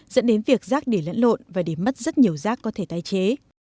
dẫn đến việc rác để lẫn lộn và để mất rất nhiều rác có thể tái chế